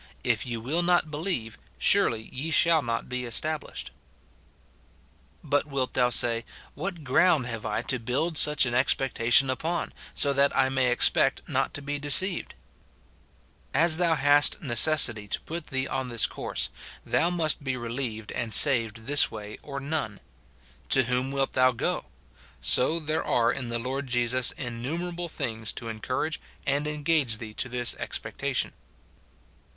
" If ye will not believe, surely ye shall not be es tablished, "f But wilt thou say, " What ground have I to build such an expectation upon, so that I may expect not to be deceived ?" As thou hast necessity to put thee on this course, thou must be relieved and saved this way or none. To whom wilt thou go ?| So there are in the Lord Jesus innumer able things to encourage and engage thee to this expec tation.